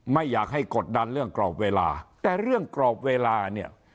ไม่อยากให้กดดันเรื่องกรอบเวลาแต่เรื่องกรอบเวลาเนี่ย